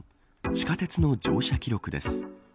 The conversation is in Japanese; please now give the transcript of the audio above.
地下鉄の乗車記録です。